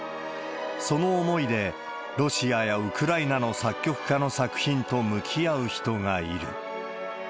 その思いでロシアやウクライナの作曲家の作品と向き合う人がいる。